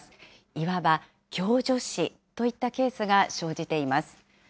いわば共助死といったケースが生じています。